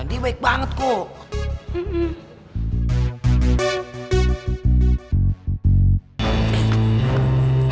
dia baik banget kok